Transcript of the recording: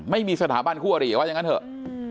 ไม่มีสถาบันคู่อริว่าอย่างนั้นเถอะ